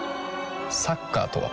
サッカーとは？